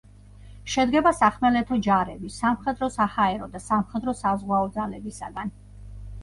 შედგება სახმელეთო ჯარების, სამხედრო-საჰაერო და სამხედრო-საზღვაო ძალებისაგან.